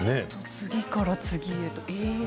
次から次へと。